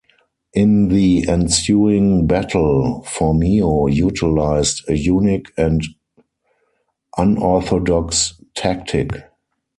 In the ensuing battle, Phormio utilized a unique and unorthodox tactic.